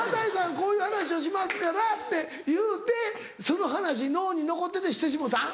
こういう話をしますからって言うてその話脳に残っててしてしもうたん？